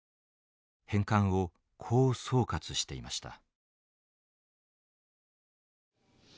返還をこう総括していました。